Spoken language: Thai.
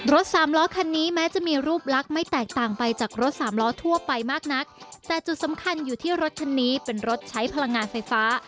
สามล้อคันนี้แม้จะมีรูปลักษณ์ไม่แตกต่างไปจากรถสามล้อทั่วไปมากนักแต่จุดสำคัญอยู่ที่รถคันนี้เป็นรถใช้พลังงานไฟฟ้า